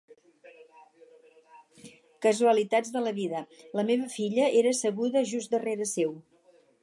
Casualitats de la vida, la meva filla era asseguda just darrere seu.